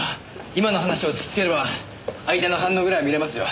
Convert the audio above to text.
今の話を突きつければ相手の反応ぐらいは見れますよ。